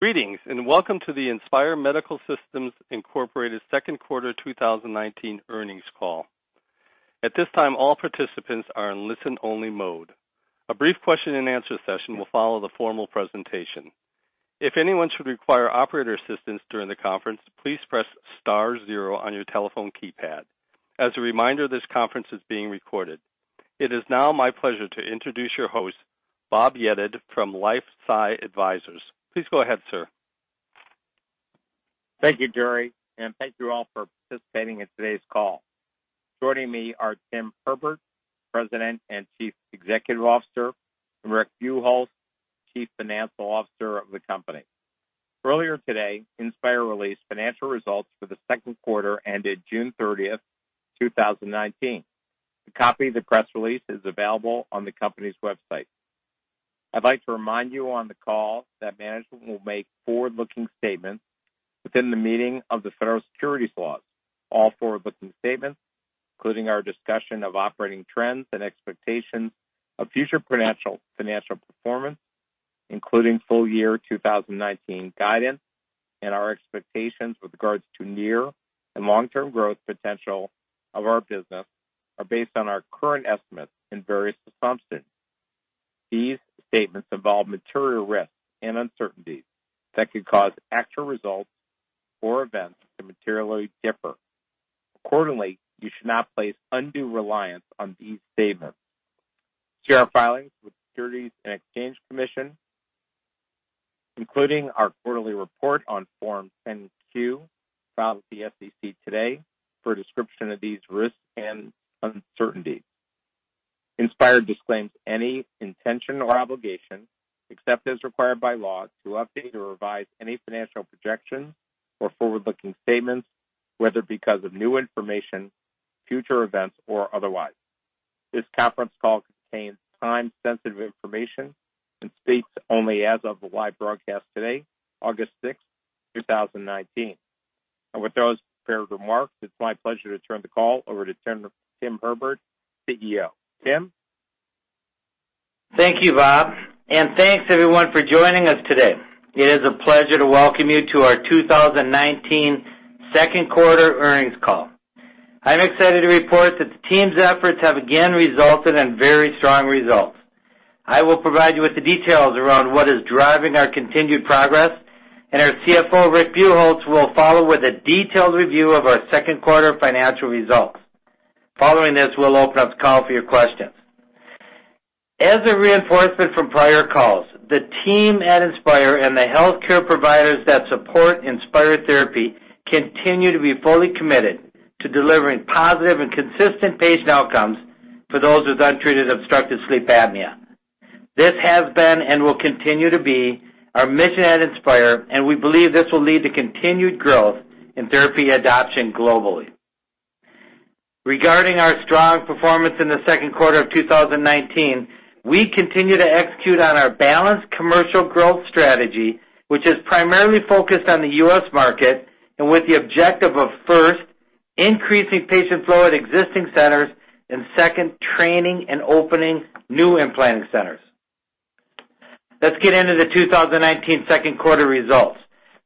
Greetings, and welcome to the Inspire Medical Systems Incorporated second quarter 2019 earnings call. At this time, all participants are in listen-only mode. A brief question and answer session will follow the formal presentation. If anyone should require operator assistance during the conference, please press star zero on your telephone keypad. As a reminder, this conference is being recorded. It is now my pleasure to introduce your host, Bob Yedid, from LifeSci Advisors. Please go ahead, sir. Thank you, Jerry, thank you all for participating in today's call. Joining me are Tim Herbert, President and Chief Executive Officer, and Rick Buchholz, Chief Financial Officer of the company. Earlier today, Inspire released financial results for the second quarter ended June 30, 2019. A copy of the press release is available on the company's website. I'd like to remind you on the call that management will make forward-looking statements within the meaning of the federal securities laws. All forward-looking statements, including our discussion of operating trends and expectations of future financial performance, including full year 2019 guidance, and our expectations with regards to near and long-term growth potential of our business are based on our current estimates and various assumptions. These statements involve material risks and uncertainties that could cause actual results or events to materially differ. Accordingly, you should not place undue reliance on these statements. See our filings with Securities and Exchange Commission, including our quarterly report on Form 10-Q filed with the SEC today, for a description of these risks and uncertainties. Inspire disclaims any intention or obligation, except as required by law, to update or revise any financial projections or forward-looking statements, whether because of new information, future events, or otherwise. This conference call contains time-sensitive information and speaks only as of the live broadcast today, August 6th, 2019. With those prepared remarks, it's my pleasure to turn the call over to Tim Herbert, CEO. Tim? Thank you, Bob, and thanks everyone for joining us today. It is a pleasure to welcome you to our 2019 second quarter earnings call. I'm excited to report that the team's efforts have again resulted in very strong results. I will provide you with the details around what is driving our continued progress, and our CFO, Rick Buchholz, will follow with a detailed review of our second quarter financial results. Following this, we'll open up the call for your questions. As a reinforcement from prior calls, the team at Inspire and the healthcare providers that support Inspire therapy continue to be fully committed to delivering positive and consistent patient outcomes for those with untreated obstructive sleep apnea. This has been and will continue to be our mission at Inspire, and we believe this will lead to continued growth in therapy adoption globally. Regarding our strong performance in the second quarter of 2019, we continue to execute on our balanced commercial growth strategy, which is primarily focused on the U.S. market, and with the objective of, first, increasing patient flow at existing centers, and second, training and opening new implant centers. Let's get into the 2019 second quarter results.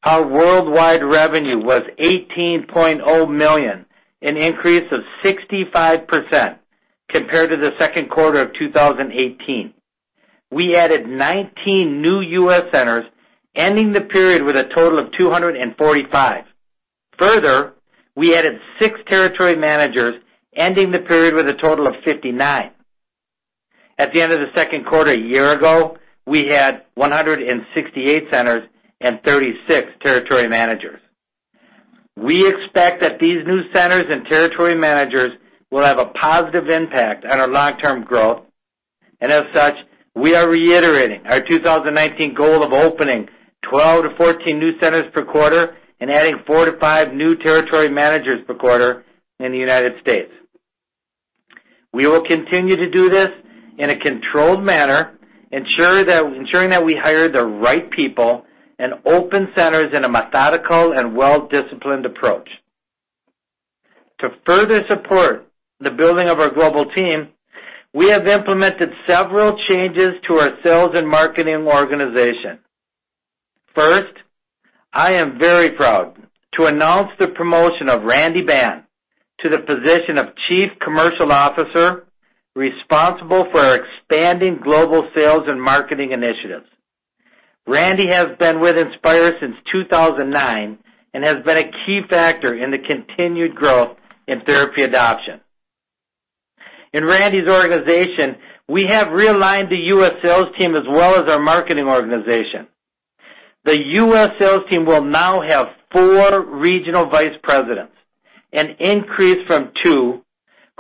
Our worldwide revenue was $18.0 million, an increase of 65% compared to the second quarter of 2018. We added 19 new U.S. centers, ending the period with a total of 245. Further, we added six territory managers, ending the period with a total of 59. At the end of the second quarter a year ago, we had 168 centers and 36 territory managers. We expect that these new centers and territory managers will have a positive impact on our long-term growth. As such, we are reiterating our 2019 goal of opening 12-14 new centers per quarter and adding four to five new territory managers per quarter in the U.S. We will continue to do this in a controlled manner, ensuring that we hire the right people and open centers in a methodical and well-disciplined approach. To further support the building of our global team, we have implemented several changes to our sales and marketing organization. First, I am very proud to announce the promotion of Randy Ban to the position of Chief Commercial Officer, responsible for our expanding global sales and marketing initiatives. Randy has been with Inspire since 2009 and has been a key factor in the continued growth in therapy adoption. In Randy's organization, we have realigned the U.S. sales team as well as our marketing organization. The U.S. sales team will now have four regional vice presidents, an increase from two,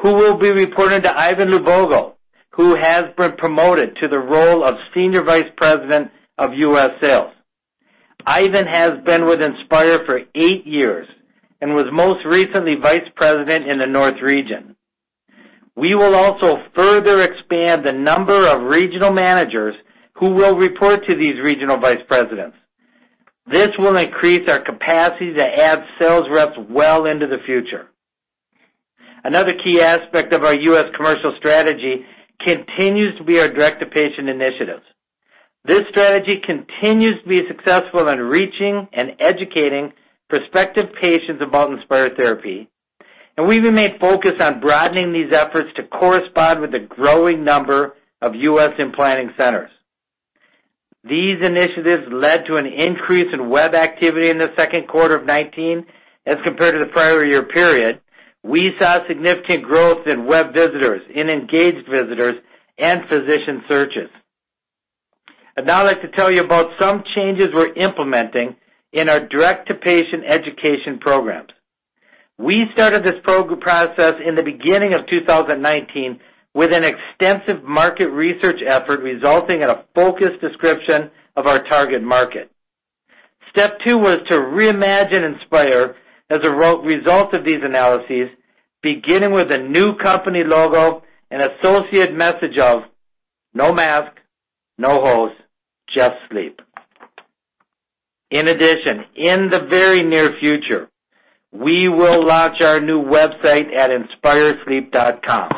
who will be reporting to Ivan Lubogo, who has been promoted to the role of Senior Vice President of U.S. Sales. Ivan has been with Inspire for eight years and was most recently vice president in the North region. We will also further expand the number of regional managers who will report to these regional vice presidents. This will increase our capacity to add sales reps well into the future. Another key aspect of our U.S. commercial strategy continues to be our direct-to-patient initiatives. This strategy continues to be successful in reaching and educating prospective patients about Inspire therapy. We remain focused on broadening these efforts to correspond with the growing number of U.S. implanting centers. These initiatives led to an increase in web activity in the second quarter of 2019 as compared to the prior year period. We saw significant growth in web visitors, in engaged visitors, and physician searches. I'd now like to tell you about some changes we're implementing in our direct-to-patient education programs. We started this process in the beginning of 2019 with an extensive market research effort resulting in a focused description of our target market. Step two was to reimagine Inspire as a result of these analyses, beginning with a new company logo and associated message of "No mask, no hose, just sleep." In addition, in the very near future, we will launch our new website at inspiresleep.com.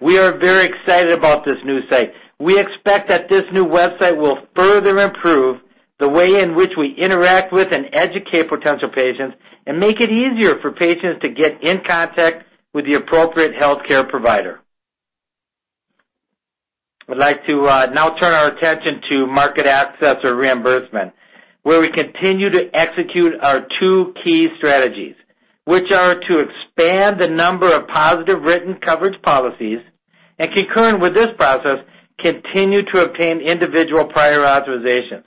We are very excited about this new site. We expect that this new website will further improve the way in which we interact with and educate potential patients and make it easier for patients to get in contact with the appropriate healthcare provider. I'd like to now turn our attention to market access or reimbursement, where we continue to execute our two key strategies, which are to expand the number of positive written coverage policies and, concurrent with this process, continue to obtain individual prior authorizations.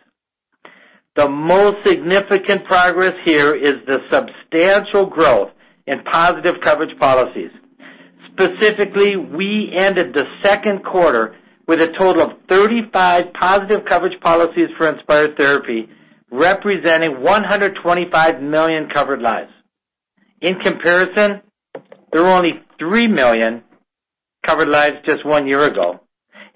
The most significant progress here is the substantial growth in positive coverage policies. Specifically, we ended the second quarter with a total of 35 positive coverage policies for Inspire therapy, representing 125 million covered lives. In comparison, there were only 3 million covered lives just one year ago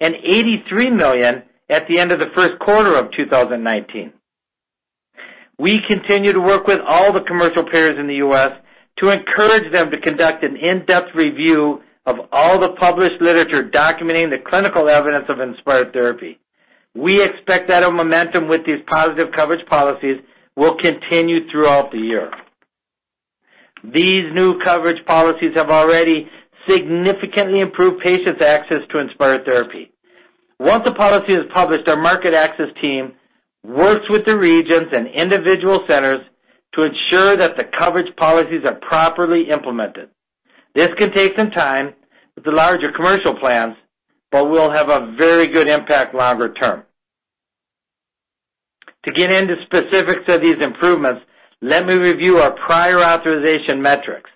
and 83 million at the end of the first quarter of 2019. We continue to work with all the commercial payers in the U.S. to encourage them to conduct an in-depth review of all the published literature documenting the clinical evidence of Inspire therapy. We expect that momentum with these positive coverage policies will continue throughout the year. These new coverage policies have already significantly improved patients' access to Inspire therapy. Once a policy is published, our market access team works with the regions and individual centers to ensure that the coverage policies are properly implemented. This could take some time with the larger commercial plans, but will have a very good impact longer term. To get into specifics of these improvements, let me review our prior authorization metrics.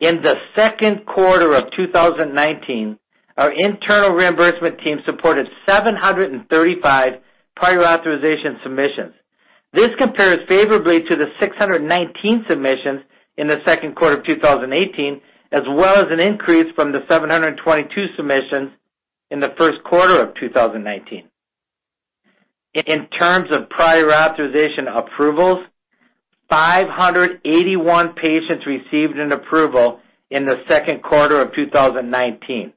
In the second quarter of 2019, our internal reimbursement team supported 735 prior authorization submissions. This compares favorably to the 619 submissions in the second quarter of 2018, as well as an increase from the 722 submissions in the first quarter of 2019. In terms of prior authorization approvals, 581 patients received an approval in the second quarter of 2019.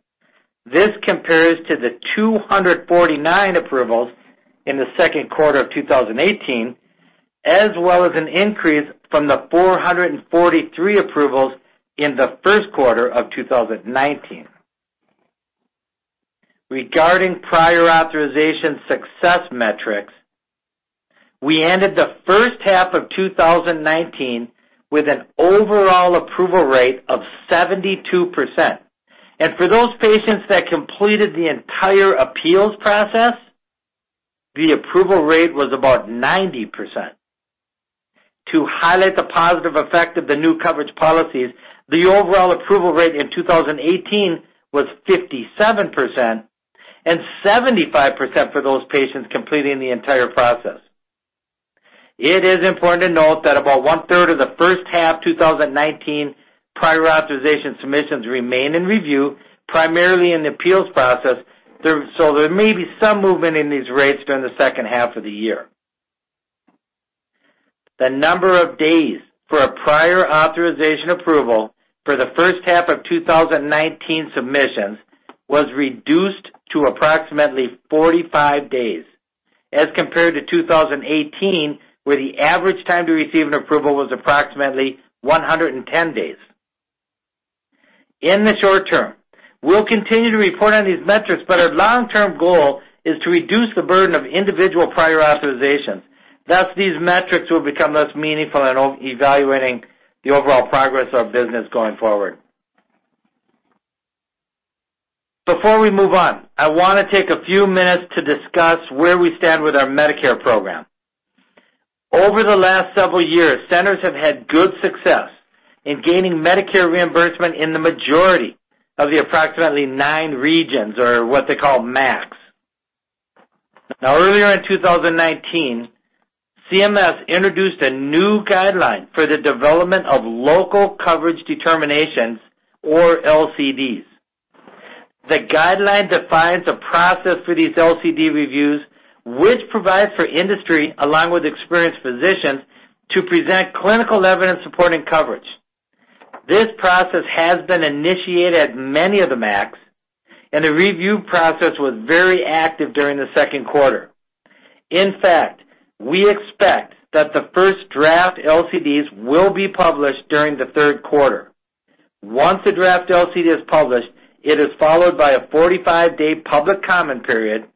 This compares to the 249 approvals in the second quarter of 2018, as well as an increase from the 443 approvals in the first quarter of 2019. Regarding prior authorization success metrics, we ended the first half of 2019 with an overall approval rate of 72%. For those patients that completed the entire appeals process, the approval rate was about 90%. To highlight the positive effect of the new coverage policies, the overall approval rate in 2018 was 57% and 75% for those patients completing the entire process. It is important to note that about one-third of the first half 2019 prior authorization submissions remain in review, primarily in the appeals process, so there may be some movement in these rates during the second half of the year. The number of days for a prior authorization approval for the first half of 2019 submissions was reduced to approximately 45 days as compared to 2018, where the average time to receive an approval was approximately 110 days. In the short term, we'll continue to report on these metrics, but our long-term goal is to reduce the burden of individual prior authorizations. Thus, these metrics will become less meaningful in evaluating the overall progress of business going forward. Before we move on, I want to take a few minutes to discuss where we stand with our Medicare program. Over the last several years, centers have had good success in gaining Medicare reimbursement in the majority of the approximately nine regions or what they call MACs. Earlier in 2019, CMS introduced a new guideline for the development of Local Coverage Determinations, or LCDs. The guideline defines a process for these LCD reviews, which provides for industry, along with experienced physicians, to present clinical evidence supporting coverage. This process has been initiated at many of the MACs, and the review process was very active during the second quarter. In fact, we expect that the first draft LCDs will be published during the third quarter. Once the draft LCD is published, it is followed by a 45-day public comment period,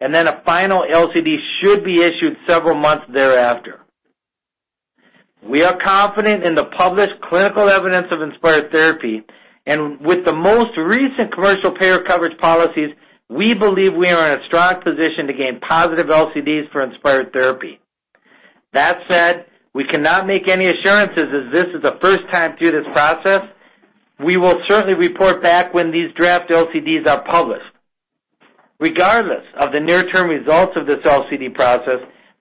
and then a final LCD should be issued several months thereafter. We are confident in the published clinical evidence of Inspire therapy. With the most recent commercial payer coverage policies, we believe we are in a strong position to gain positive LCDs for Inspire therapy. That said, we cannot make any assurances, as this is the first time through this process. We will certainly report back when these draft LCDs are published. Regardless of the near-term results of this LCD process,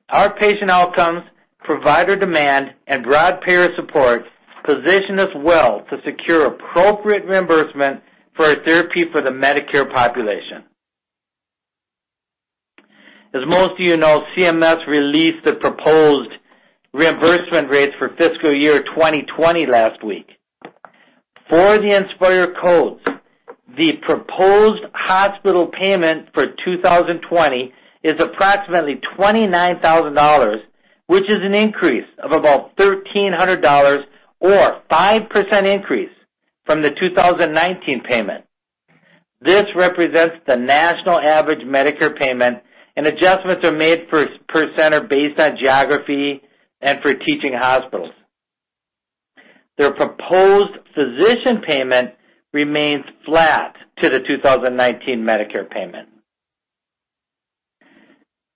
our patient outcomes, provider demand, and broad payer support position us well to secure appropriate reimbursement for our therapy for the Medicare population. As most of you know, CMS released the proposed reimbursement rates for fiscal year 2020 last week. For the Inspire codes, the proposed hospital payment for 2020 is approximately $29,000, which is an increase of about $1,300 or 5% increase from the 2019 payment. This represents the national average Medicare payment, and adjustments are made per center based on geography and for teaching hospitals. Their proposed physician payment remains flat to the 2019 Medicare payment.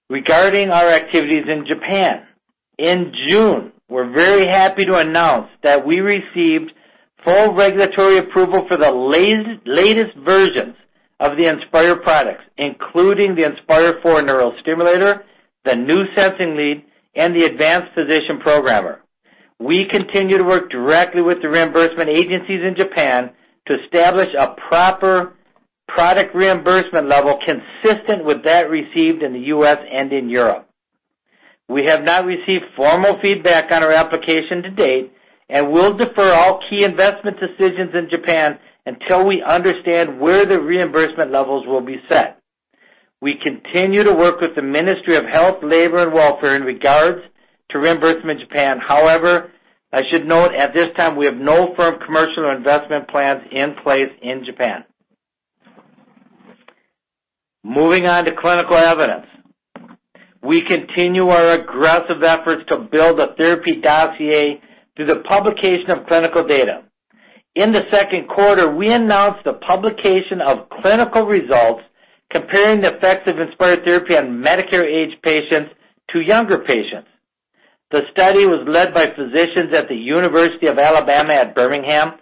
Regarding our activities in Japan, in June, we're very happy to announce that we received full regulatory approval for the latest versions of the Inspire products, including the Inspire IV neurostimulator, the new sensing lead, and the advanced physician programmer. We continue to work directly with the reimbursement agencies in Japan to establish a proper product reimbursement level consistent with that received in the U.S. and in Europe. We have not received formal feedback on our application to date, and we'll defer all key investment decisions in Japan until we understand where the reimbursement levels will be set. We continue to work with the Ministry of Health, Labour and Welfare in regards to reimbursement in Japan. However, I should note, at this time, we have no firm commercial or investment plans in place in Japan. Moving on to clinical evidence. We continue our aggressive efforts to build a therapy dossier through the publication of clinical data. In the second quarter, we announced the publication of clinical results comparing the effects of Inspire therapy on Medicare-aged patients to younger patients. The study was led by physicians at the University of Alabama at Birmingham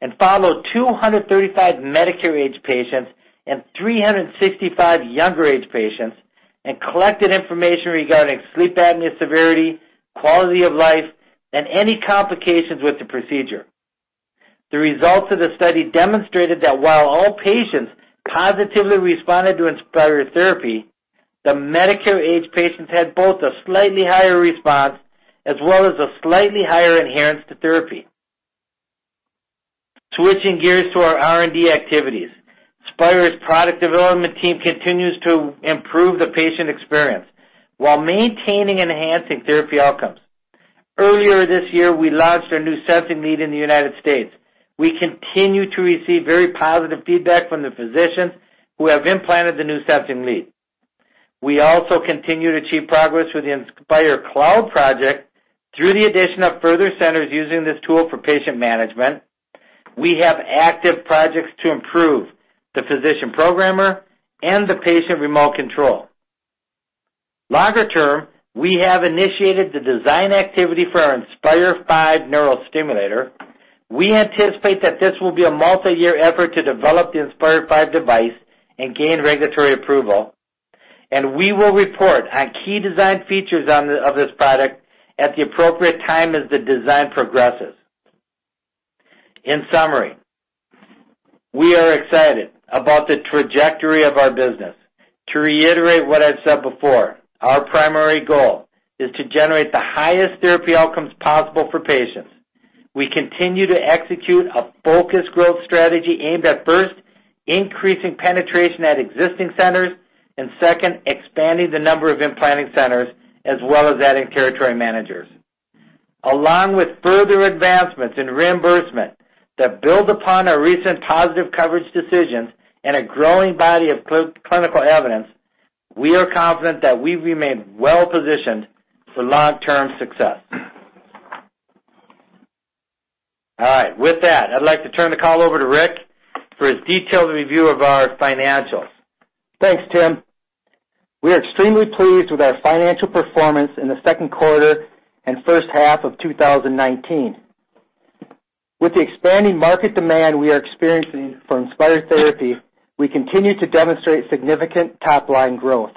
and followed 235 Medicare-aged patients and 365 younger-aged patients and collected information regarding sleep apnea severity, quality of life, and any complications with the procedure. The results of the study demonstrated that while all patients positively responded to Inspire therapy, the Medicare-aged patients had both a slightly higher response as well as a slightly higher adherence to therapy. Switching gears to our R&D activities. Inspire's product development team continues to improve the patient experience while maintaining and enhancing therapy outcomes. Earlier this year, we launched our new sensing lead in the U.S. We continue to receive very positive feedback from the physicians who have implanted the new sensing lead. We also continue to achieve progress with the Inspire cloud project through the addition of further centers using this tool for patient management. We have active projects to improve the physician programmer and the patient remote control. Longer term, we have initiated the design activity for our Inspire V neurostimulator. We anticipate that this will be a multi-year effort to develop the Inspire V device and gain regulatory approval, and we will report on key design features of this product at the appropriate time as the design progresses. In summary, we are excited about the trajectory of our business. To reiterate what I've said before, our primary goal is to generate the highest therapy outcomes possible for patients. We continue to execute a focused growth strategy aimed at, first, increasing penetration at existing centers and, second, expanding the number of implanting centers as well as adding territory managers. Along with further advancements in reimbursement that build upon our recent positive coverage decisions and a growing body of clinical evidence, we are confident that we remain well-positioned for long-term success. All right. With that, I'd like to turn the call over to Rick for his detailed review of our financials. Thanks, Tim. We are extremely pleased with our financial performance in the second quarter and first half of 2019. With the expanding market demand we are experiencing for Inspire therapy, we continue to demonstrate significant top-line growth.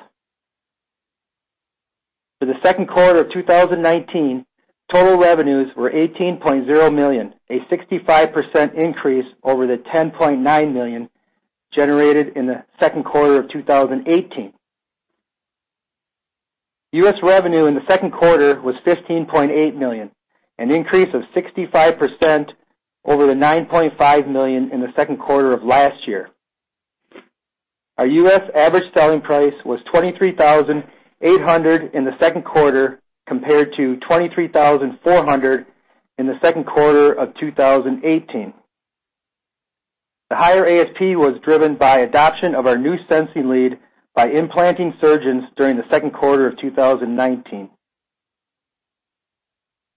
For the second quarter of 2019, total revenues were $18.0 million, a 65% increase over the $10.9 million generated in the second quarter of 2018. U.S. revenue in the second quarter was $15.8 million, an increase of 65% over the $9.5 million in the second quarter of last year. Our U.S. average selling price was $23,800 in the second quarter, compared to $23,400 in the second quarter of 2018. The higher ASP was driven by adoption of our new sensing lead by implanting surgeons during the second quarter of 2019.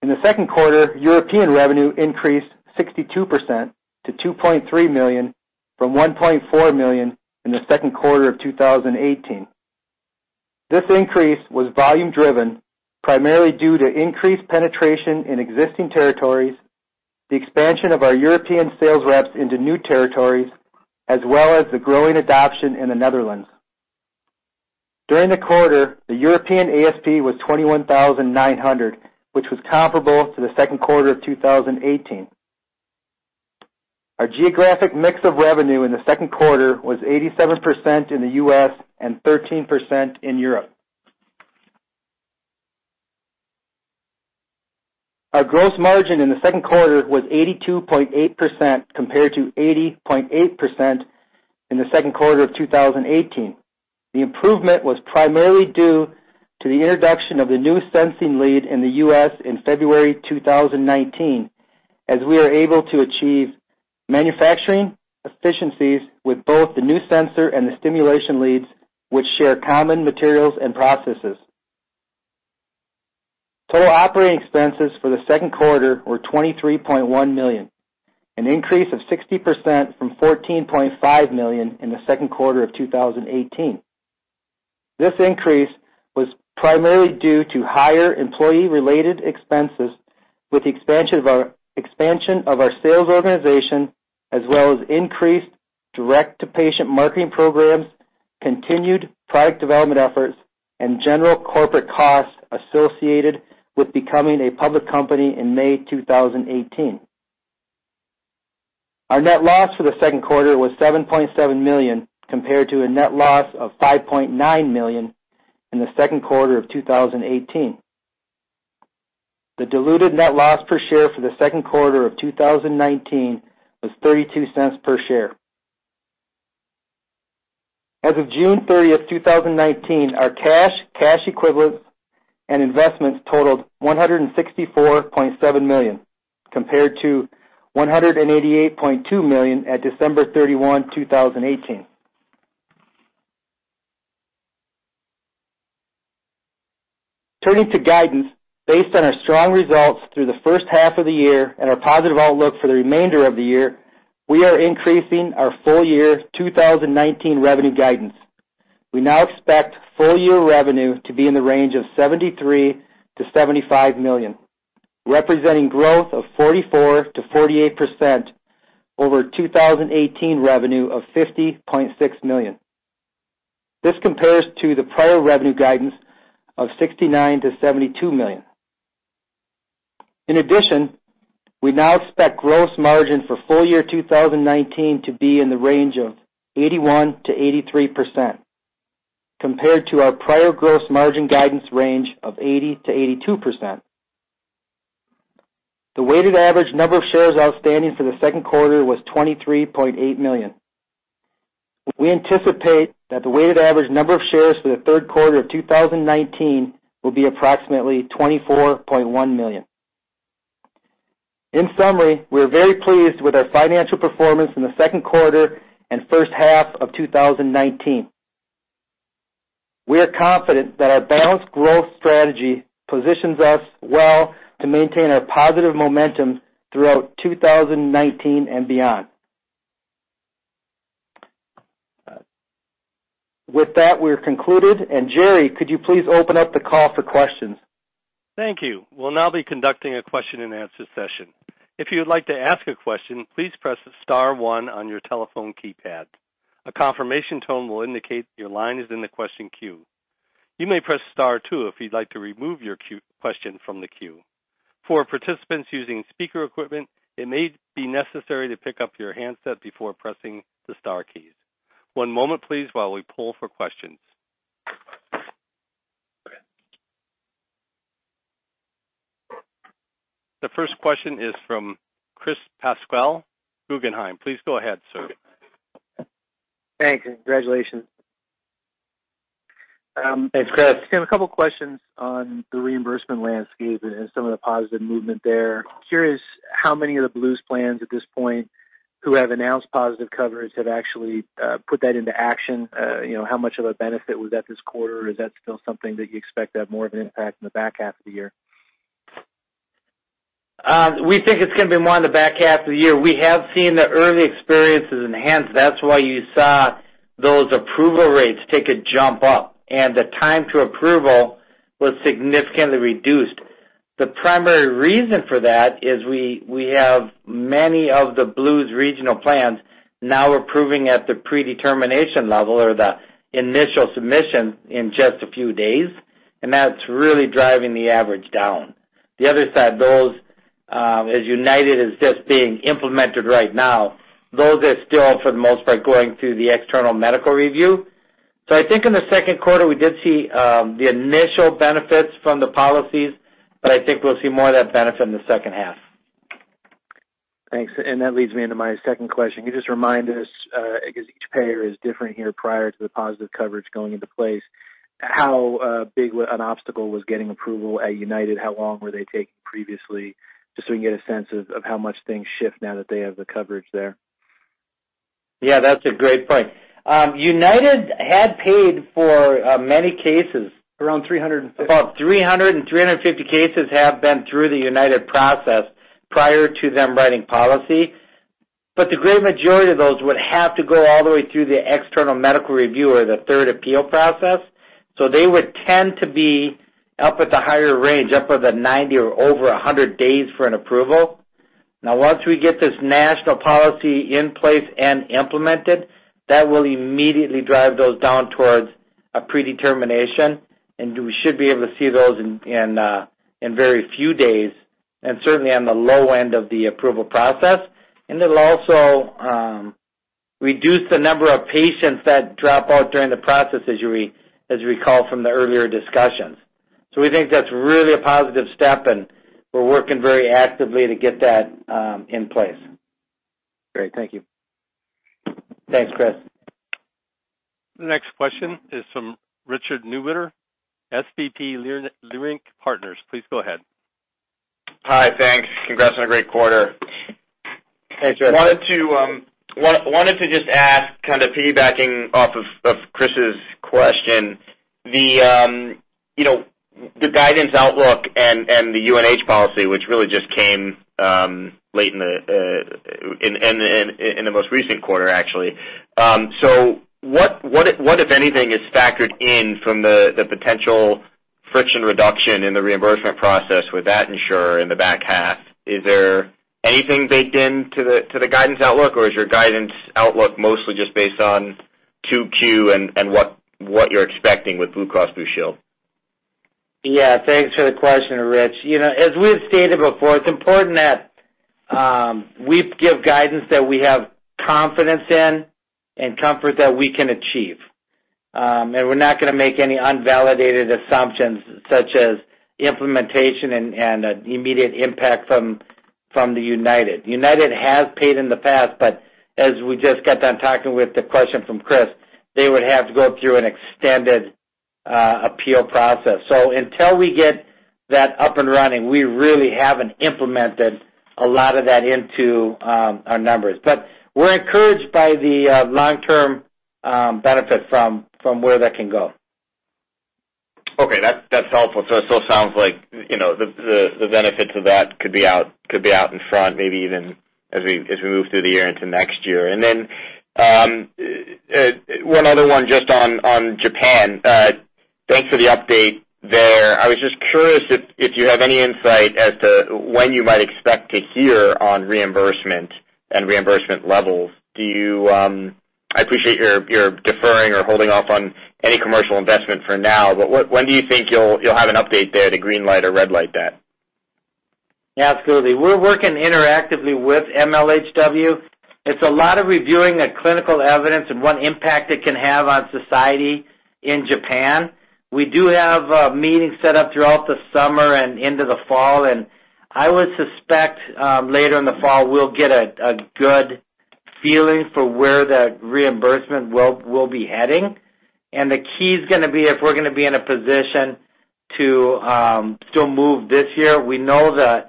In the second quarter, European revenue increased 62% to $2.3 million from $1.4 million in the second quarter of 2018. This increase was volume driven, primarily due to increased penetration in existing territories, the expansion of our European sales reps into new territories, as well as the growing adoption in the Netherlands. During the quarter, the European ASP was $21,900, which was comparable to the second quarter of 2018. Our geographic mix of revenue in the second quarter was 87% in the U.S. and 13% in Europe. Our gross margin in the second quarter was 82.8%, compared to 80.8% in the second quarter of 2018. The improvement was primarily due to the introduction of the new sensing lead in the U.S. in February 2019, as we are able to achieve manufacturing efficiencies with both the new sensor and the stimulation leads, which share common materials and processes. Total operating expenses for the second quarter were $23.1 million, an increase of 60% from $14.5 million in the second quarter of 2018. This increase was primarily due to higher employee-related expenses with the expansion of our sales organization, as well as increased direct-to-patient marketing programs, continued product development efforts, and general corporate costs associated with becoming a public company in May 2018. Our net loss for the second quarter was $7.7 million, compared to a net loss of $5.9 million in the second quarter of 2018. The diluted net loss per share for the second quarter of 2019 was $0.32 per share. As of June 30th, 2019, our cash equivalents, and investments totaled $164.7 million, compared to $188.2 million at December 31, 2018. Turning to guidance. Based on our strong results through the first half of the year and our positive outlook for the remainder of the year, we are increasing our full year 2019 revenue guidance. We now expect full-year revenue to be in the range of $73 million-$75 million, representing growth of 44%-48% over 2018 revenue of $50.6 million. This compares to the prior revenue guidance of $69 million-$72 million. In addition, we now expect gross margin for full year 2019 to be in the range of 81%-83%, compared to our prior gross margin guidance range of 80%-82%. The weighted average number of shares outstanding for the second quarter was 23.8 million. We anticipate that the weighted average number of shares for the third quarter of 2019 will be approximately 24.1 million. In summary, we are very pleased with our financial performance in the second quarter and first half of 2019. We are confident that our balanced growth strategy positions us well to maintain our positive momentum throughout 2019 and beyond. With that, we are concluded. Jerry, could you please open up the call for questions? Thank you. We'll now be conducting a question and answer session. If you would like to ask a question, please press *1 on your telephone keypad. A confirmation tone will indicate that your line is in the question queue. You may press *2 if you'd like to remove your question from the queue. For participants using speaker equipment, it may be necessary to pick up your handset before pressing the star keys. One moment, please, while we pull for questions. The first question is from Chris Pasquale, Guggenheim. Please go ahead, sir. Thanks, and congratulations. Thanks, Chris. I just have a couple questions on the reimbursement landscape and some of the positive movement there. Curious how many of the Blues plans at this point who have announced positive coverage have actually put that into action. How much of a benefit was that this quarter? Is that still something that you expect to have more of an impact in the back half of the year? We think it's going to be more in the back half of the year. We have seen the early experiences enhanced. That's why you saw those approval rates take a jump up, and the time to approval was significantly reduced. The primary reason for that is we have many of the Blues' regional plans now approving at the predetermination level or the initial submission in just a few days, and that's really driving the average down. The other side, those as United is just being implemented right now, those are still, for the most part, going through the external medical review. I think in the second quarter, we did see the initial benefits from the policies, but I think we'll see more of that benefit in the second half. Thanks. That leads me into my second question. Can you just remind us, because each payer is different here, prior to the positive coverage going into place, how big an obstacle was getting approval at UnitedHealthcare? How long were they taking previously, just so we can get a sense of how much things shift now that they have the coverage there? Yeah, that's a great point. United had paid for many cases. Around $350. About 300 and 350 cases have been through the United process prior to them writing policy. The great majority of those would have to go all the way through the external medical review or the third appeal process. They would tend to be up at the higher range, up at the 90 or over 100 days for an approval. Now, once we get this national policy in place and implemented, that will immediately drive those down towards a predetermination, and we should be able to see those in very few days, and certainly on the low end of the approval process. It'll also reduce the number of patients that drop out during the process, as you recall from the earlier discussions. We think that's really a positive step, and we're working very actively to get that in place. Great. Thank you. Thanks, Chris. The next question is from Richard Newitter, SVB Leerink Partners. Please go ahead. Hi, thanks. Congrats on a great quarter. Hey, Richard. Wanted to just ask, kind of piggybacking off of Chris's question, the guidance outlook and the UNH policy, which really just came late in the most recent quarter, actually. What, if anything, is factored in from the potential friction reduction in the reimbursement process with that insurer in the back half? Is there anything baked in to the guidance outlook, or is your guidance outlook mostly just based on 2Q and what you're expecting with Blue Cross Blue Shield? Yeah, thanks for the question, Rich. As we've stated before, it's important that we give guidance that we have confidence in and comfort that we can achieve. We're not going to make any unvalidated assumptions such as implementation and immediate impact from United. United has paid in the past, but as we just got done talking with the question from Chris, they would have to go through an extended appeal process. Until we get that up and running, we really haven't implemented a lot of that into our numbers. We're encouraged by the long-term benefit from where that can go. Okay. That's helpful. It still sounds like the benefits of that could be out in front, maybe even as we move through the year into next year. One other one just on Japan. Thanks for the update there. I was just curious if you have any insight as to when you might expect to hear on reimbursement and reimbursement levels. I appreciate you're deferring or holding off on any commercial investment for now, but when do you think you'll have an update there to green light or red light that? Yeah, absolutely. We're working interactively with MHLW. It's a lot of reviewing the clinical evidence and what impact it can have on society in Japan. We do have meetings set up throughout the summer and into the fall, and I would suspect later in the fall, we'll get a good feeling for where the reimbursement will be heading, and the key's going to be if we're going to be in a position to still move this year. We know the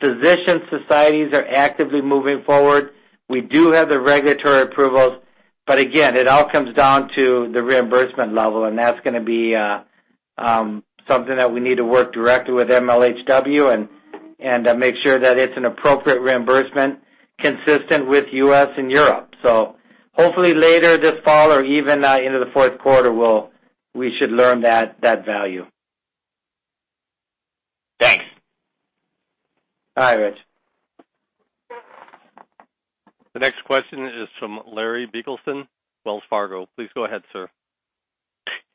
physician societies are actively moving forward. We do have the regulatory approvals, but again, it all comes down to the reimbursement level, and that's going to be something that we need to work directly with MHLW and make sure that it's an appropriate reimbursement consistent with U.S. and Europe. Hopefully later this fall or even into the fourth quarter, we should learn that value. Thanks. Bye, Rich. The next question is from Larry Biegelsen, Wells Fargo. Please go ahead, sir.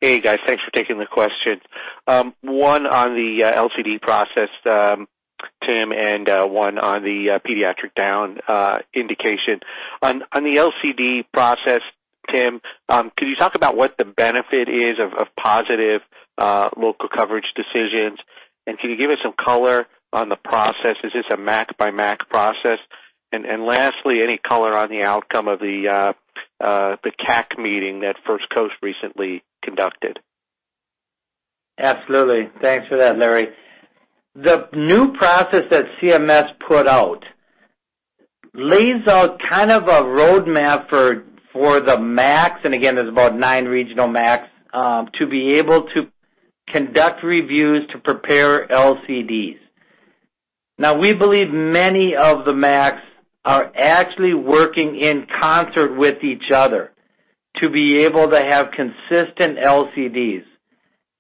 Hey, guys. Thanks for taking the question. One on the LCD process, Tim, and one on the pediatric Down indication. On the LCD process, Tim, could you talk about what the benefit is of positive Local Coverage Determinations, and can you give us some color on the process? Is this a MAC by MAC process? Lastly, any color on the outcome of the CAC meeting that First Coast recently conducted? Absolutely. Thanks for that, Larry. The new process that CMS put out lays out kind of a roadmap for the MACs. Again, there's about nine regional MACs to be able to conduct reviews to prepare LCDs. Now, we believe many of the MACs are actually working in concert with each other to be able to have consistent LCDs.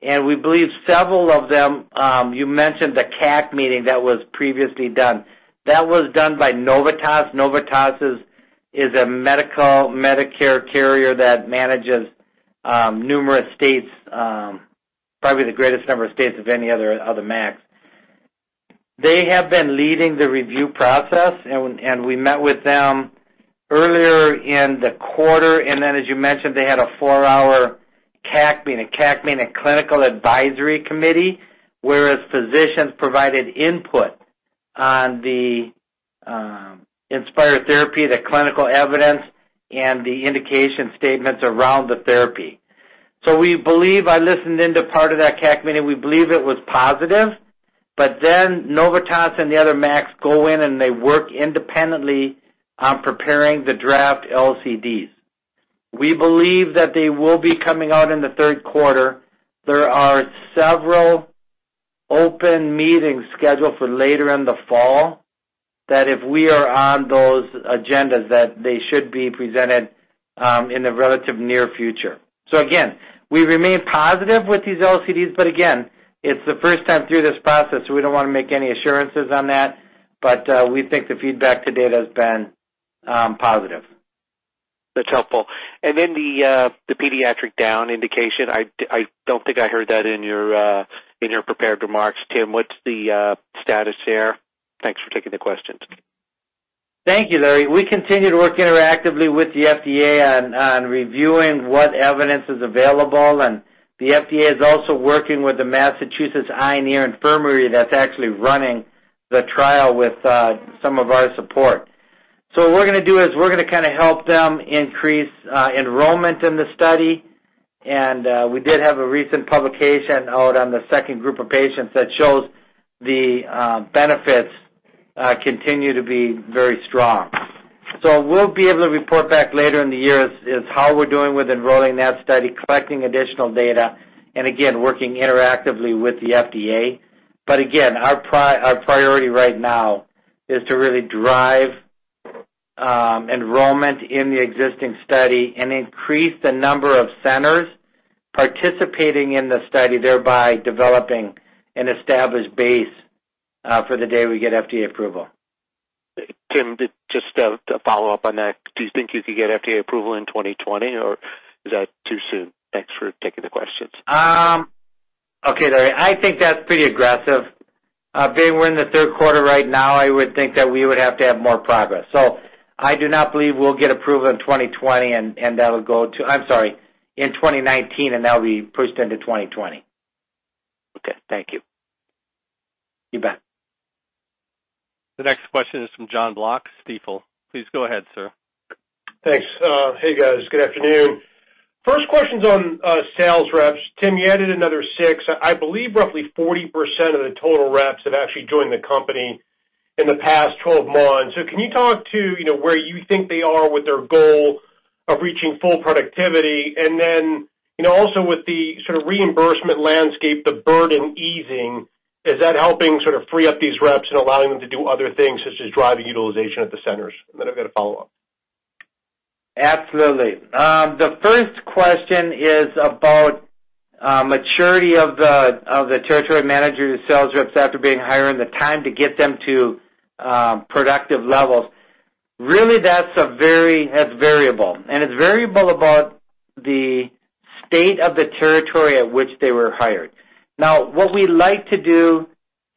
We believe several of them, you mentioned the CAC meeting that was previously done. That was done by Novitas. Novitas is a Medicare carrier that manages numerous states, probably the greatest number of states of any other MAC. They have been leading the review process. We met with them earlier in the quarter. As you mentioned, they had a four-hour CAC meeting, a clinical advisory committee, where physicians provided input on the Inspire therapy, the clinical evidence, and the indication statements around the therapy. We believe, I listened in to part of that CAC meeting, we believe it was positive, but then Novitas and the other MACs go in and they work independently on preparing the draft LCDs. We believe that they will be coming out in the third quarter. There are several open meetings scheduled for later in the fall that if we are on those agendas, that they should be presented in the relative near future. Again, we remain positive with these LCDs, but again, it's the first time through this process, so we don't want to make any assurances on that, but we think the feedback to date has been positive. That's helpful. The pediatric Down indication, I don't think I heard that in your prepared remarks. Tim, what's the status there? Thanks for taking the questions. Thank you, Larry. We continue to work interactively with the FDA on reviewing what evidence is available. The FDA is also working with the Massachusetts Eye and Ear Infirmary that's actually running the trial with some of our support. What we're going to do is we're going to kind of help them increase enrollment in the study. We did have a recent publication out on the second group of patients that shows the benefits continue to be very strong. We'll be able to report back later in the year is how we're doing with enrolling that study, collecting additional data, again, working interactively with the FDA. Again, our priority right now is to really drive enrollment in the existing study and increase the number of centers participating in the study, thereby developing an established base for the day we get FDA approval. Tim, just a follow-up on that. Do you think you could get FDA approval in 2020, or is that too soon? Thanks for taking the questions. Okay, Larry. I think that's pretty aggressive. Being we're in the third quarter right now, I would think that we would have to have more progress. I do not believe we'll get approval in 2020, I'm sorry, in 2019, and that'll be pushed into 2020. Okay. Thank you. You bet. The next question is from Jon Block, Stifel. Please go ahead, sir. Thanks. Hey, guys. Good afternoon. First question's on sales reps. Tim, you added another six. I believe roughly 40% of the total reps have actually joined the company in the past 12 months. Can you talk to where you think they are with their goal of reaching full productivity? Also with the sort of reimbursement landscape, the burden easing, is that helping sort of free up these reps and allowing them to do other things, such as driving utilization at the centers? I've got a follow-up. Absolutely. The first question is about maturity of the territory managers, sales reps, after being hired and the time to get them to productive levels. That's variable, and it's variable about the state of the territory at which they were hired. What we like to do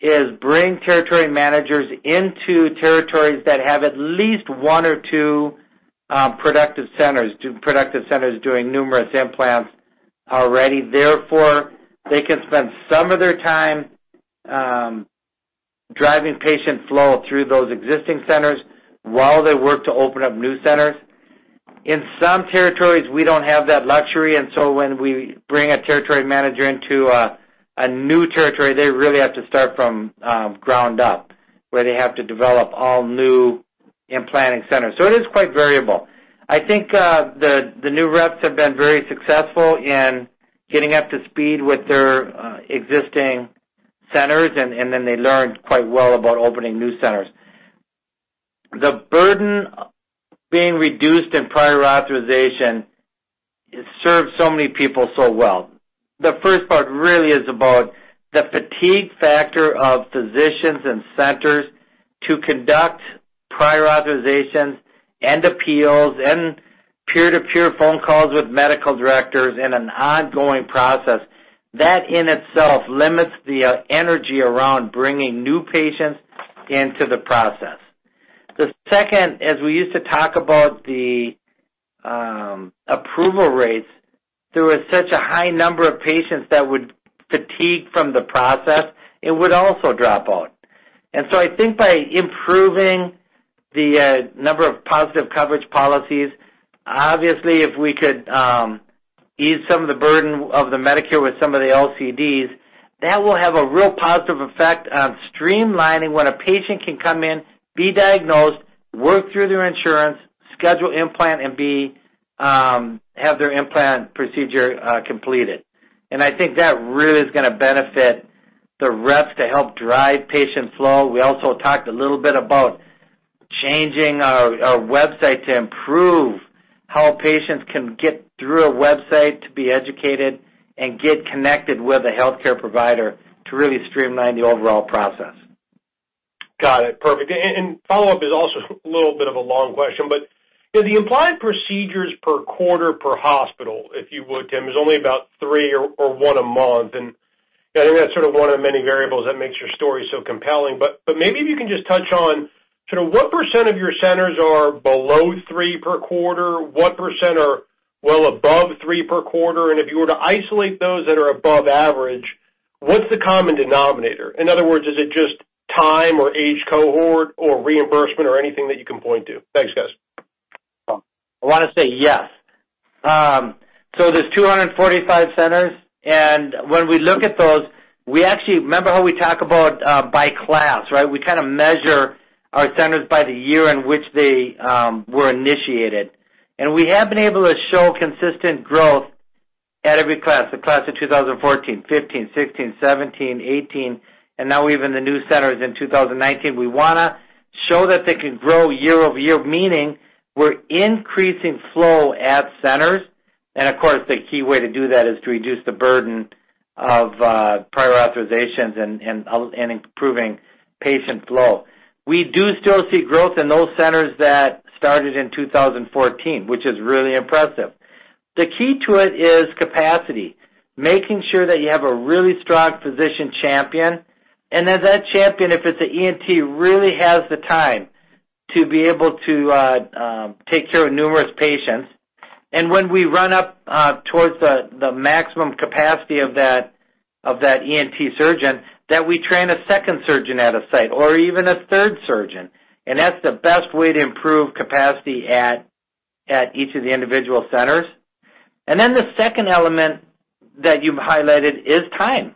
is bring territory managers into territories that have at least one or two productive centers, two productive centers doing numerous implants already. They can spend some of their time driving patient flow through those existing centers while they work to open up new centers. In some territories, we don't have that luxury, and so when we bring a territory manager into a new territory, they really have to start from ground up, where they have to develop all new implanting centers. It is quite variable. I think the new reps have been very successful in getting up to speed with their existing centers, and then they learned quite well about opening new centers. The burden being reduced in prior authorization, it served so many people so well. The first part really is about the fatigue factor of physicians and centers to conduct prior authorizations and appeals and peer-to-peer phone calls with medical directors in an ongoing process. That in itself limits the energy around bringing new patients into the process. The second, as we used to talk about the approval rates, there was such a high number of patients that would fatigue from the process and would also drop out. I think by improving the number of positive coverage policies, obviously, if we could ease some of the burden of the Medicare with some of the LCDs, that will have a real positive effect on streamlining when a patient can come in, be diagnosed, work through their insurance, schedule implant, and have their implant procedure completed. I think that really is going to benefit the reps to help drive patient flow. We also talked a little bit about changing our website to improve how patients can get through a website to be educated and get connected with a healthcare provider to really streamline the overall process. Got it, perfect. Follow-up is also a little bit of a long question, but the implied procedures per quarter per hospital, if you would, Tim. There's only about three or one a month, and I think that's sort of one of the many variables that makes your story so compelling. Maybe if you can just touch on sort of what percent of your centers are below three per quarter, what percent are well above three per quarter, and if you were to isolate those that are above average, what's the common denominator? In other words, is it just time or age cohort or reimbursement or anything that you can point to? Thanks, guys. I want to say yes. There's 245 centers, and when we look at those, remember how we talk about by class, right? We kind of measure our centers by the year in which they were initiated. We have been able to show consistent growth at every class, the class of 2014, 2015, 2016, 2017, 2018, and now even the new centers in 2019. We want to show that they can grow year-over-year, meaning we're increasing flow at centers. Of course, the key way to do that is to reduce the burden of prior authorizations and improving patient flow. We do still see growth in those centers that started in 2014, which is really impressive. The key to it is capacity, making sure that you have a really strong physician champion, and that that champion, if it's a ENT, really has the time to be able to take care of numerous patients. When we run up towards the maximum capacity of that ENT surgeon, that we train a second surgeon at a site or even a third surgeon, and that's the best way to improve capacity at each of the individual centers. Then the second element that you've highlighted is time.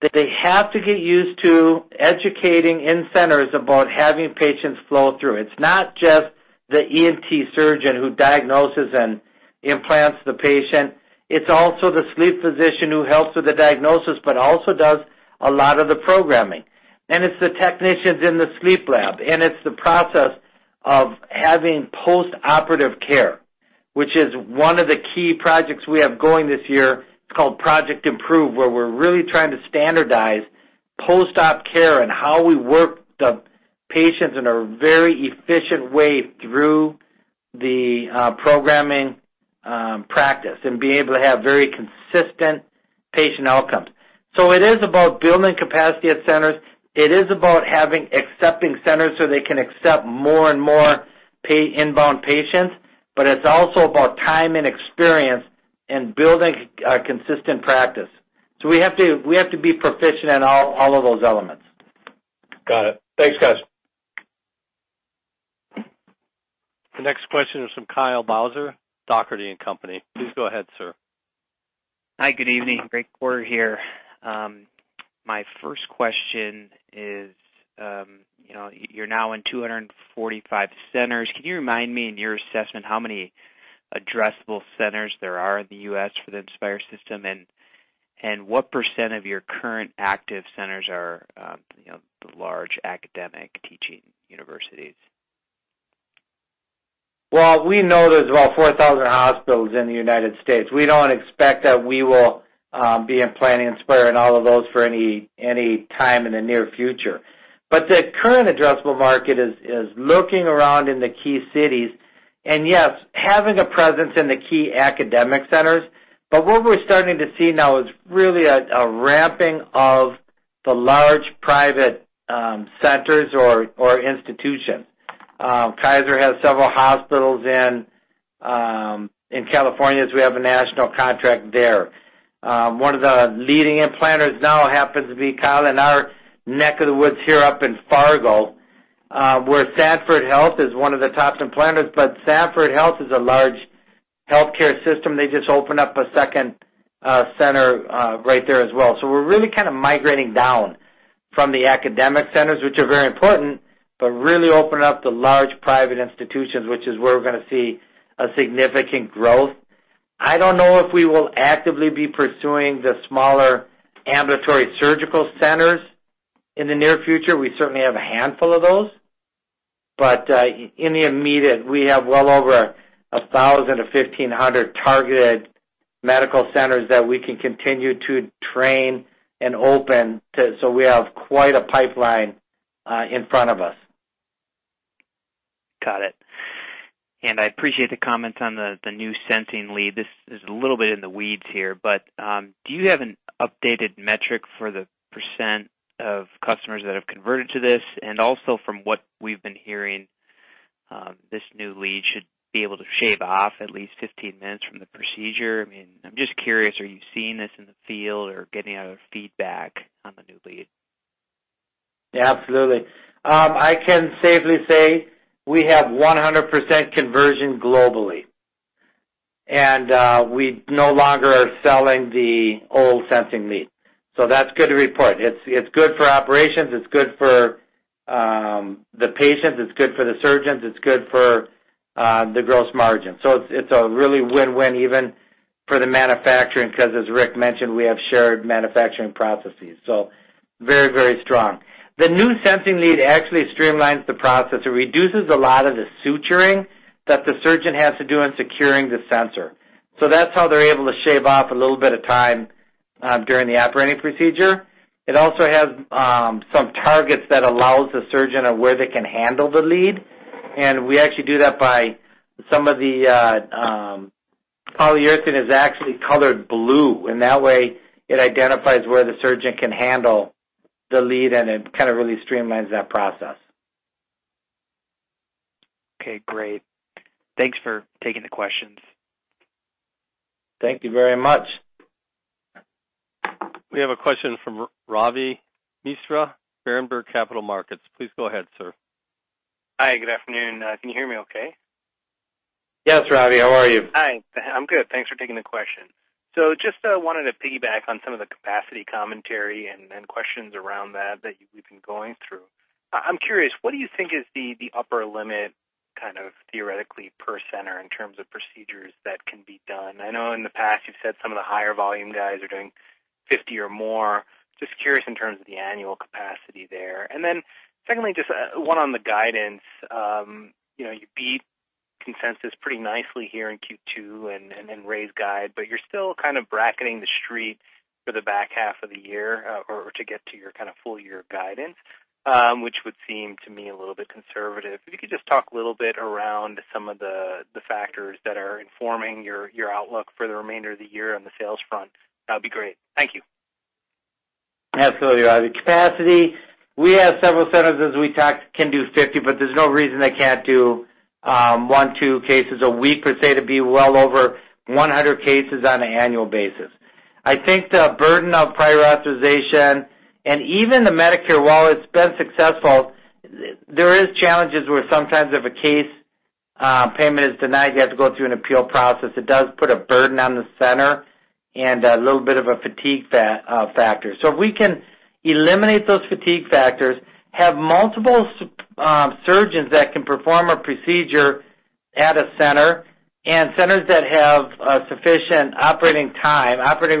That they have to get used to educating in centers about having patients flow through. It's not just the ENT surgeon who diagnoses and implants the patient. It's also the sleep physician who helps with the diagnosis, but also does a lot of the programming. It's the technicians in the sleep lab, and it's the process of having postoperative care, which is one of the key projects we have going this year. It's called Project Improve, where we're really trying to standardize post-op care and how we work the patients in a very efficient way through the programming practice and be able to have very consistent patient outcomes. It is about building capacity at centers. It is about having accepting centers so they can accept more and more inbound patients. It's also about time and experience and building a consistent practice. We have to be proficient in all of those elements. Got it. Thanks, guys. The next question is from Kyle Bauser, Dougherty & Company. Please go ahead, sir. Hi, good evening. Great quarter here. My first question is, you're now in 245 centers. Can you remind me, in your assessment, how many addressable centers there are in the U.S. for the Inspire system? What % of your current active centers are the large academic teaching universities? Well, we know there's about 4,000 hospitals in the U.S. We don't expect that we will be implanting Inspire in all of those for any time in the near future. The current addressable market is looking around in the key cities and yes, having a presence in the key academic centers. What we're starting to see now is really a ramping of the large private centers or institutions. Kaiser has several hospitals in California, as we have a national contract there. One of the leading implanters now happens to be, Kyle, in our neck of the woods here up in Fargo, where Sanford Health is one of the top implanters, but Sanford Health is a large healthcare system. They just opened up a second center right there as well. We're really kind of migrating down from the academic centers, which are very important, but really opening up the large private institutions, which is where we're going to see a significant growth. I don't know if we will actively be pursuing the smaller ambulatory surgical centers in the near future. We certainly have a handful of those. But in the immediate, we have well over 1,000 to 1,500 targeted medical centers that we can continue to train and open, so we have quite a pipeline in front of us. Got it. I appreciate the comments on the new sensing lead. This is a little bit in the weeds here, but do you have an updated metric for the percent of customers that have converted to this? Also from what we've been hearing, this new lead should be able to shave off at least 15 minutes from the procedure. I'm just curious, are you seeing this in the field or getting other feedback on the new lead? Yeah, absolutely. I can safely say we have 100% conversion globally, and we no longer are selling the old sensing lead. That's good to report. It's good for operations. It's good for the patient, it's good for the surgeons, it's good for the gross margin. It's a really win-win even for the manufacturing, because as Rick mentioned, we have shared manufacturing processes. Very strong. The new sensing lead actually streamlines the process. It reduces a lot of the suturing that the surgeon has to do in securing the sensor. That's how they're able to shave off a little bit of time during the operating procedure. It also has some targets that allows the surgeon of where they can handle the lead. We actually do that by some of the polyurethane is actually colored blue, that way it identifies where the surgeon can handle the lead and it kind of really streamlines that process. Okay, great. Thanks for taking the questions. Thank you very much. We have a question from Ravi Misra, Berenberg Capital Markets. Please go ahead, sir. Hi. Good afternoon. Can you hear me okay? Yes, Ravi. How are you? Hi. I'm good. Thanks for taking the question. Just wanted to piggyback on some of the capacity commentary and questions around that we've been going through. I'm curious, what do you think is the upper limit kind of theoretically per center in terms of procedures that can be done? I know in the past you've said some of the higher volume guys are doing 50 or more. Just curious in terms of the annual capacity there. Secondly, just one on the guidance. You beat consensus pretty nicely here in Q2 and raised guide, but you're still kind of bracketing the street for the back half of the year or to get to your kind of full year guidance, which would seem to me a little bit conservative. If you could just talk a little bit around some of the factors that are informing your outlook for the remainder of the year on the sales front, that'd be great. Thank you. Absolutely, Ravi. Capacity, we have several centers as we talked, can do 50, but there's no reason they can't do one, two cases a week per se to be well over 100 cases on an annual basis. I think the burden of prior authorization and even the Medicare, while it's been successful, there is challenges where sometimes if a case payment is denied, you have to go through an appeal process. It does put a burden on the center and a little bit of a fatigue factor. If we can eliminate those fatigue factors, have multiple surgeons that can perform a procedure at a center and centers that have sufficient operating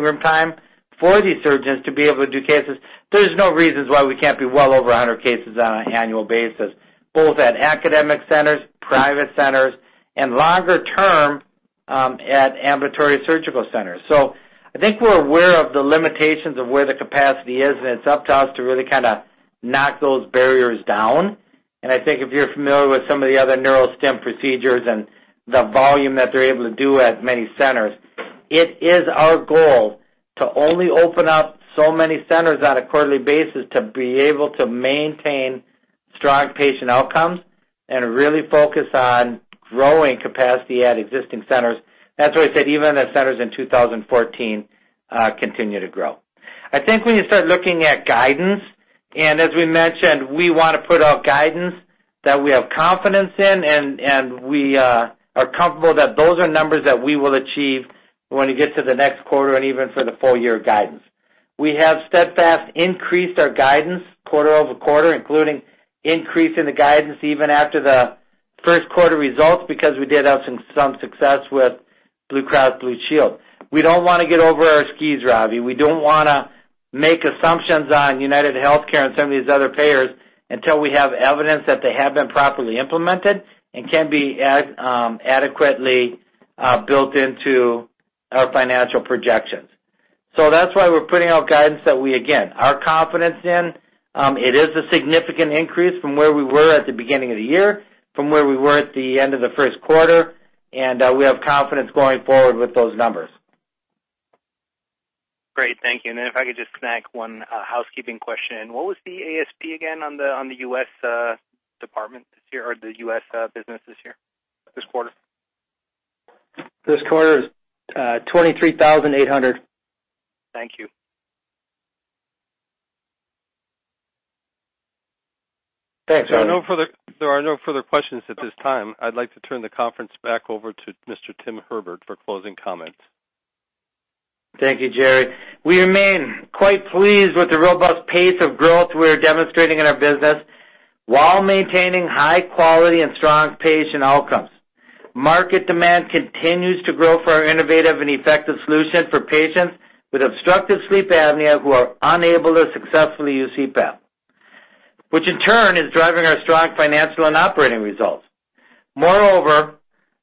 room time for these surgeons to be able to do cases, there's no reasons why we can't be well over 100 cases on an annual basis, both at academic centers, private centers, and longer term at ambulatory surgical centers. I think we're aware of the limitations of where the capacity is, and it's up to us to really kind of knock those barriers down. I think if you're familiar with some of the other neurostim procedures and the volume that they're able to do at many centers, it is our goal to only open up so many centers on a quarterly basis to be able to maintain strong patient outcomes and really focus on growing capacity at existing centers. That's why I said even the centers in 2014 continue to grow. I think when you start looking at guidance, and as we mentioned, we want to put out guidance that we have confidence in and we are comfortable that those are numbers that we will achieve when we get to the next quarter and even for the full year guidance. We have steadfast increased our guidance quarter-over-quarter, including increasing the guidance even after the first quarter results because we did have some success with Blue Cross Blue Shield. We don't want to get over our skis, Ravi. We don't want to make assumptions on UnitedHealthcare and some of these other payers until we have evidence that they have been properly implemented and can be adequately built into our financial projections. That's why we're putting out guidance that we, again, are confident in. It is a significant increase from where we were at the beginning of the year, from where we were at the end of the first quarter, and we have confidence going forward with those numbers. Great. Thank you. If I could just snag one housekeeping question. What was the ASP again on the U.S. department this year or the U.S. business this year, this quarter? This quarter is 23,800. Thank you. Thanks, Ravi. There are no further questions at this time. I'd like to turn the conference back over to Mr. Tim Herbert for closing comments. Thank you, Jerry. We remain quite pleased with the robust pace of growth we are demonstrating in our business while maintaining high quality and strong patient outcomes. Market demand continues to grow for our innovative and effective solution for patients with obstructive sleep apnea who are unable to successfully use CPAP, which in turn is driving our strong financial and operating results. Moreover,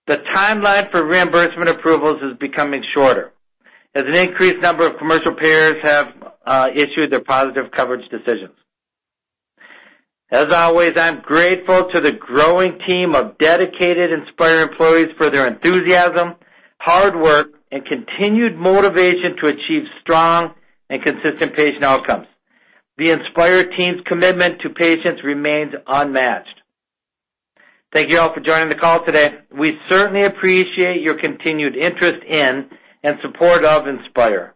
the timeline for reimbursement approvals is becoming shorter as an increased number of commercial payers have issued their positive coverage decisions. As always, I'm grateful to the growing team of dedicated Inspire employees for their enthusiasm, hard work, and continued motivation to achieve strong and consistent patient outcomes. The Inspire team's commitment to patients remains unmatched. Thank you all for joining the call today. We certainly appreciate your continued interest in and support of Inspire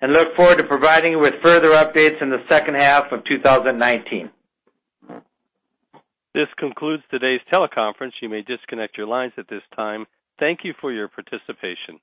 and look forward to providing you with further updates in the second half of 2019. This concludes today's teleconference. You may disconnect your lines at this time. Thank you for your participation.